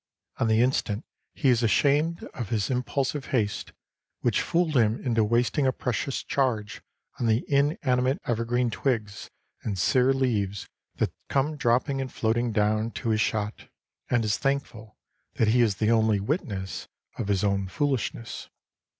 On the instant he is ashamed of his impulsive haste, which fooled him into wasting a precious charge on the inanimate evergreen twigs and sere leaves that come dropping and floating down to his shot, and is thankful that he is the only witness of his own foolishness.